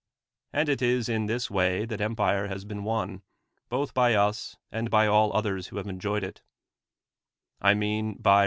And it is in this w;iy that empire has been won. both by us and by ;;1] others who have enjoyed it: I mean, b}^ rL